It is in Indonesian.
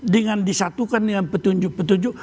dengan disatukan dengan petunjuk petunjuk